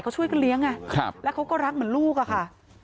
เขาช่วยกันเลี้ยงแล้วเขาก็รักเหมือนลูกอะค่ะ